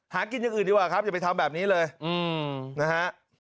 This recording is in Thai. หากินอย่างอื่นดีกว่าครับอย่าไปทำแบบนี้เลยนะฮะ